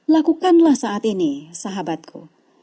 lakukanlah saat ini sahabatku